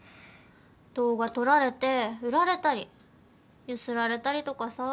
動画撮られて売られたりゆすられたりとかさ。